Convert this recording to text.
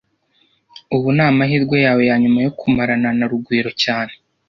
Ubu ni amahirwe yawe yanyuma yo kumarana na Rugwiro cyane